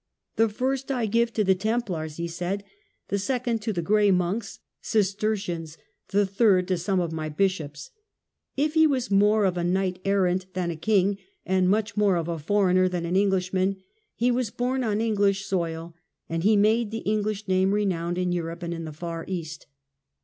"The first I give to the Templars," he said, "the second to the Grey Monks (Cistercians), the third to some of my bishops." If he was more of a knight errant than a king, and much more of a foreigner than an Englishman, he was born on English soil, and he made the English name renowned in Europe and in the far East.